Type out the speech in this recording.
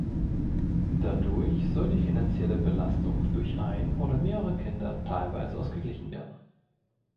Dadurch soll die finanzielle Belastung durch ein oder mehrere Kinder teilweise ausgeglichen werden.